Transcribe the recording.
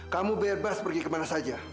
kamu bebas pergi kemana saja